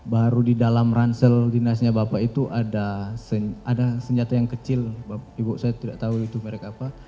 baru di dalam ransel dinasnya bapak itu ada senjata yang kecil ibu saya tidak tahu itu merek apa